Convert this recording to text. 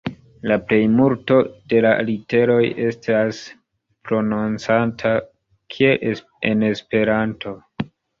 La plejmulto de la literoj estas prononcata kiel en Esperanto.